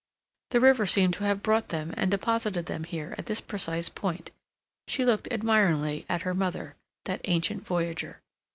The river seemed to have brought them and deposited them here at this precise point. She looked admiringly at her mother, that ancient voyager.